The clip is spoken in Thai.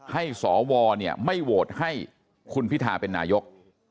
ให้สวไม่โหวตให้คุณพิทาเป็นนายก